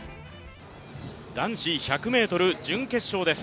男子１００ｍ準決勝です。